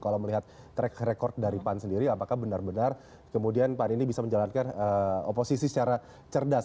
kalau melihat track record dari pan sendiri apakah benar benar kemudian pan ini bisa menjalankan oposisi secara cerdas